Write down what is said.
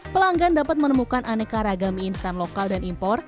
pelanggan dapat menemukan aneka ragam mie instan lokal dan impor